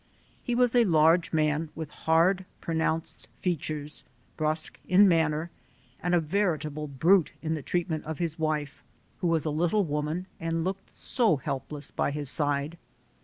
He was a large man with hard, pronounced features, brusque in manner and a veritable brute in the treatment of his wife, who was a little woman, and looked so helpless by his side.